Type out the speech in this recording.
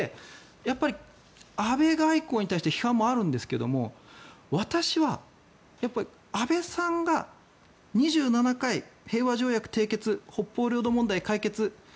やっぱり、安倍外交に対して批判もあるんですが私は安倍さんが２７回、平和条約締結北方領土問題解決